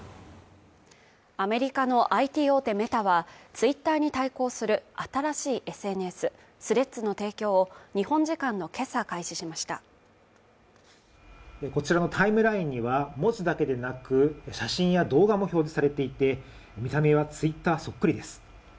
アメリカのＩＴ大手メタはツイッターに対抗する新しいＳＮＳスレッズの提供を日本時間の今朝開始しましたこちらのタイムラインには、文字だけでなく、写真や動画も表示されていて、見た目はツイッターそっくりです。